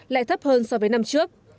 lại thấp hơn so với năm trước